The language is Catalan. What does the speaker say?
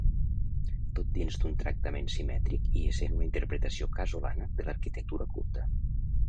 Tot dins d'un tractament simètric i essent una interpretació casolana de l'arquitectura culta.